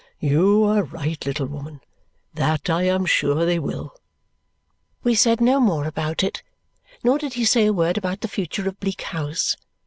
"You are right, little woman; that I am sure they will." We said no more about it, nor did he say a word about the future of Bleak House.